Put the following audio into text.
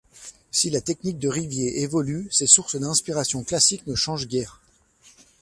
Si la technique de Rivier évolue, ses sources d'inspiration classique ne changent guère.